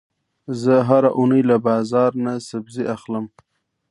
زه هره اونۍ له بازار نه سبزي اخلم.